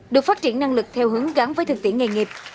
được phát triển năng lực theo hướng gắn với thực tiễn nghề nghiệp